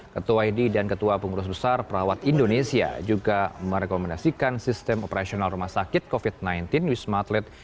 ketua idi dan ketua pengurus besar perawat indonesia juga merekomendasikan sistem operasional rumah sakit covid sembilan belas wisma atlet